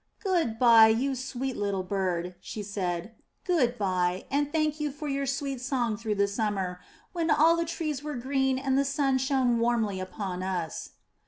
''Good bye, you sweet little bird,'* said she, ''good bye, and thank you for your sweet song through the summer when all the trees were green and the sun shone warmly upon us.'